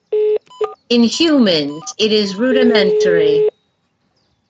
In humans it is rudimentary.